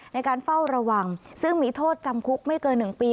ในการเฝ้าระวังซึ่งมีโทษจำคุกไม่เกิน๑ปี